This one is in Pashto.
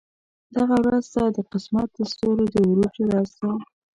دغه ورځ ستا د قسمت د ستورو د عروج ورځ ده.